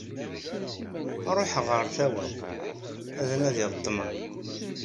Ruḥeɣ ɣer Tawat, ad nadiɣ ṭmer.